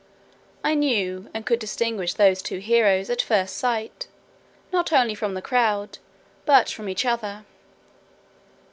I knew, and could distinguish those two heroes, at first sight, not only from the crowd, but from each other.